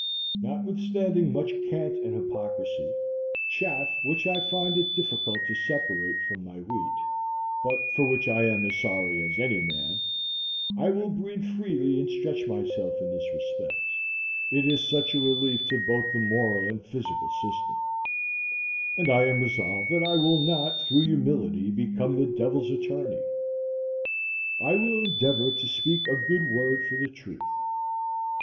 Notwithstanding much cant and hypocrisy,—chaff which I find it difficult to separate from my wheat, but for which I am as sorry as any man,—I will breathe freely and stretch myself in this respect, it is such a relief to both the moral and physical system; and I am resolved that I will not through humility become the devil's attorney. I will endeavor to speak a good word for the truth.